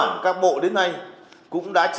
cơ bản các bộ đến nay cũng đã trình bày